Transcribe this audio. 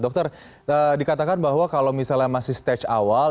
dokter dikatakan bahwa kalau misalnya masih stage awal